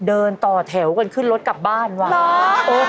เดินต่อแถวกันขึ้นรถกลับบ้านน่ารักมาก